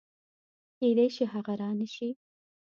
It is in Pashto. کېدای شي هغه رانشي